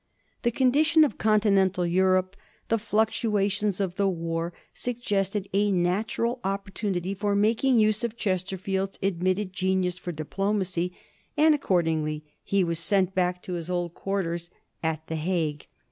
The condition of Continental Europe, the fluctuations of the war, suggested a natural opportunity for making use of Chesterfield's admitted genius for diplomacy, and accordingly he was sent back to his old quarters at the Hague.